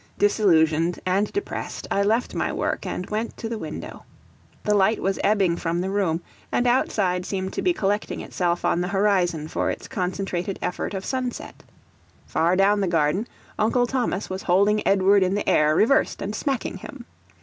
Disillusioned and depressed, I left my work and went to the window. The light was ebbing from the room, and outside seemed to be collecting itself on the horizon for its concentrated effort of sunset. Far down the garden, Uncle Thomas was holding Edward in the air reversed, and smacking him.